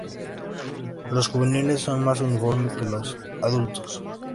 Los juveniles son más uniforme que los adultos.